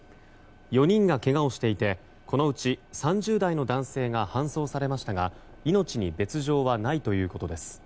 ４人がけがをしていてこのうち３０代の男性が搬送されましたが命に別条はないということです。